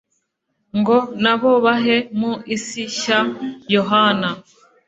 ngo na bo babe mu isi nshya yohana